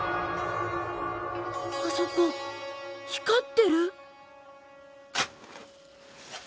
あそこ光ってる！？